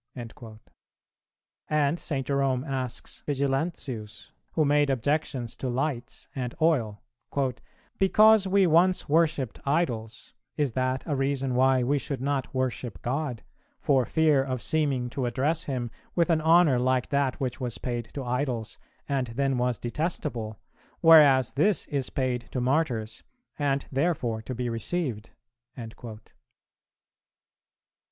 "[371:2] And St. Jerome asks Vigilantius, who made objections to lights and oil, "Because we once worshipped idols, is that a reason why we should not worship God, for fear of seeming to address him with an honour like that which was paid to idols and then was detestable, whereas this is paid to Martyrs and therefore to be received?"[371:3] 5.